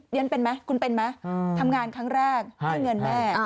เรียนเป็นไหมคุณเป็นไหมทำงานครั้งแรกให้เงินแม่